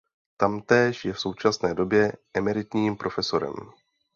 Tamtéž je v současné době emeritním profesorem.